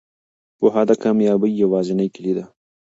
پوهه د کامیابۍ یوازینۍ کیلي ده.